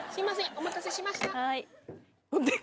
お待たせしました。